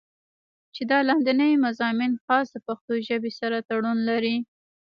چې دا لانديني مضامين خاص د پښتو ژبې سره تړون لري